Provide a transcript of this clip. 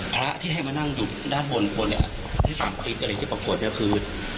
พระที่ให้มานั่งอยู่ด้านบนบนเนี่ยที่ตามคลิปอะไรที่ปรากฏเนี่ยคือ